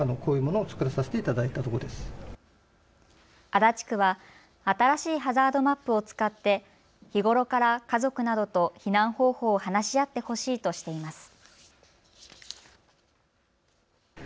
足立区は新しいハザードマップを使って日頃から家族などと避難方法を話し合ってほしいとしています。